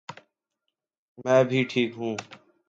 میں بھی ٹھیک ہوں